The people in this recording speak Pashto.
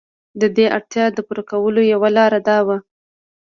د دې اړتیا د پوره کولو یوه لار دا وه.